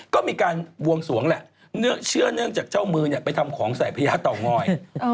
ก็มีการบวงสวงแหละเชื่อเนื่องจากเจ้ามือไปทำของใส่พญาเตางอย